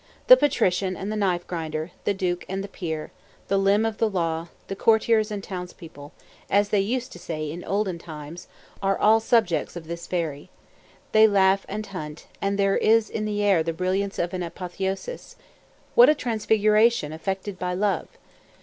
The patrician and the knife grinder, the duke and the peer, the limb of the law, the courtiers and townspeople, as they used to say in olden times, all are subjects of this fairy. They laugh and hunt, and there is in the air the brilliance of an apotheosis—what a transfiguration effected by love!